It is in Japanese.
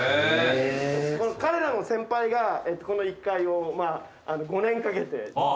彼らの先輩がこの１階を５年かけて。